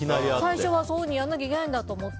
最初はそういうふうにやんなきゃいけないんだって思って。